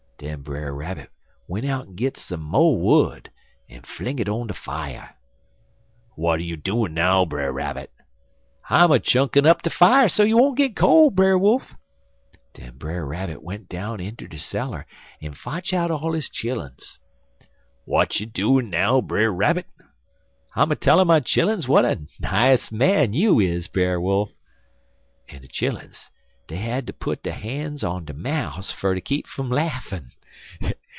"Den Brer Rabbit went out en git some mo' wood, en fling it on de fier. "'W'at you doin' now, Brer Rabbit?' "'I'm a chunkin' up de fier so you won't git col', Brer Wolf.' "Den Brer Rabbit went down inter de cellar en fotch out all his chilluns. "'W'at you doin' now, Brer Rabbit?' "'I'm a tellin' my chilluns w'at a nice man you is, Brer Wolf.' "En de chilluns, dey had ter put der han's on der moufs fer ter keep fum laffin'.